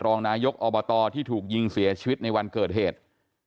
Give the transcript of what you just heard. รองนายกอบตที่ถูกยิงเสียชีวิตในวันเกิดเหตุ